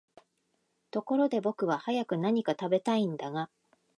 ところで僕は早く何か喰べたいんだが、